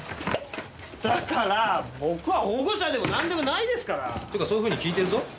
だから僕は保護者でもなんでもないですから。っていうかそういうふうに聞いてるぞ。